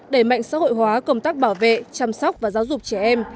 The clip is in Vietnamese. đẩy mạnh xã hội hóa công tác bảo vệ chăm sóc và giáo dục trẻ em